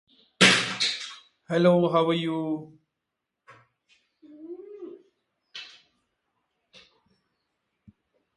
It is now a nature park.